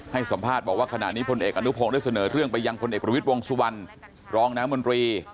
ให้สัมภาษณ์บอกว่าขณะนี้พลเอกอนุพงศ์ได้เสนอเรื่องไปยังพลเอกประวิทย์วงสุวรรณรองน้ำมนตรี